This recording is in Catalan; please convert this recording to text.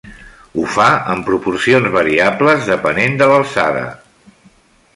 Ho fa en proporcions variables depenent de l’alçada.